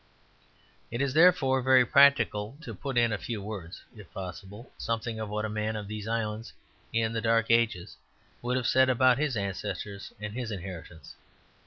It is therefore very practical to put in a few words, if possible, something of what a man of these islands in the Dark Ages would have said about his ancestors and his inheritance.